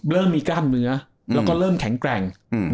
เริ่มมีกล้ามเนื้อแล้วก็เริ่มแข็งแกร่ง